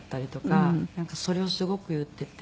なんかそれをすごく言ってて。